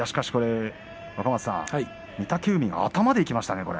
若松さん御嶽海、頭でいきましたね。